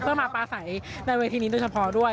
เพื่อมาปลาใสในเวทีนี้โดยเฉพาะด้วย